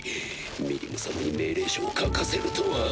ミリム様に命令書を書かせるとは！